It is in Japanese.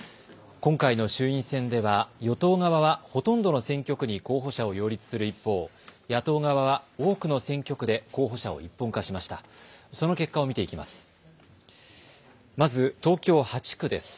今回の衆院選では与党側はほとんどの選挙区に候補者を擁立する一方、野党側は多くの選挙区で候補者を一本化しました。